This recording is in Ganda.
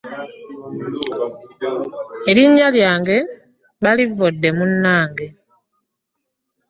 Erinnya lyange balivodde munange .